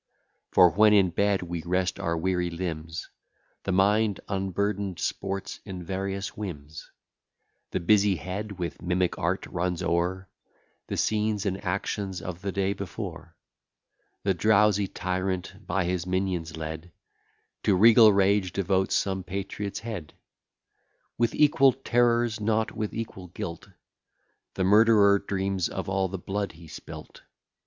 For when in bed we rest our weary limbs, The mind unburden'd sports in various whims; The busy head with mimic art runs o'er The scenes and actions of the day before. The drowsy tyrant, by his minions led, To regal rage devotes some patriot's head. With equal terrors, not with equal guilt, The murderer dreams of all the blood he spilt.